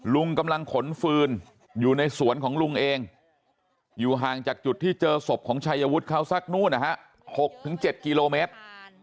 ลุงกำลังขนฟืนอยู่ในสวนของลุงเองอยู่ห่างจากจุดที่เจอศพของชัยวุฒิเขาสักนู่นนะฮะ๖๗กิโลเมตร